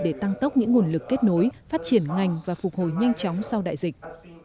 để tăng tốc những nguồn lực kết nối phát triển ngành và phục hồi nhanh chóng sau đại dịch